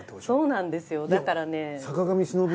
そうなんですよだからね。